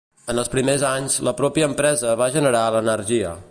En els primers anys, la pròpia empresa va generar l'energia.